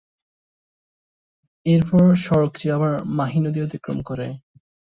এর পর সড়কটি আবার মাহি নদী অতিক্রম করে।